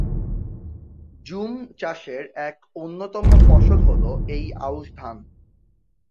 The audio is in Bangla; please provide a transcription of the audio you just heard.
জুম চাষের এক অন্যতম ফসল হলো এই আউশ ধান।